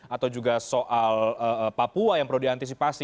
atau juga soal papua yang perlu diantisipasi